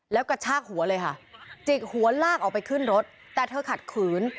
แล้วกระชากหัวเลยค่ะจิกหัวลากออกไปขึ้นรถแต่เธอขัดขืน